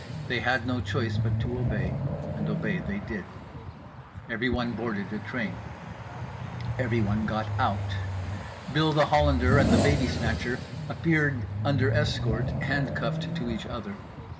They had no choice but to obey, and obey they did. Everyone boarded a train. Everyone got out. Bill The Hollander and The Babysnatcher appeared under escort, handcuffed to each other.